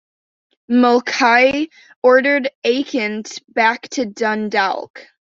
Mulcahy ordered Aiken back to Dundalk.